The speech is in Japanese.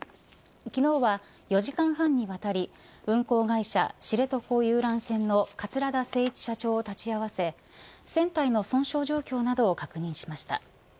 昨日は４時間半にわたり運航会社、知床遊覧船の桂田精一社長を立ち合わせ船体の損傷状況などを確認しました。